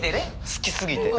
好きすぎて！